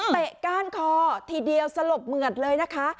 ก้านคอทีเดียวสลบเหมือดเลยนะคะ